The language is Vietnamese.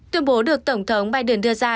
tuyên bố được tổng thống biden đưa ra